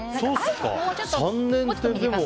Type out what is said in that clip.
もうちょっと短く。